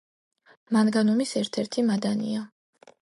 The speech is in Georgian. მანგანუმის ერთ-ერთი მადანია.